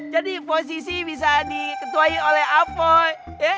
jadi posisi bisa diketuai oleh apoy